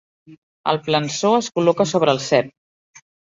El plançó es col·loca sobre el cep.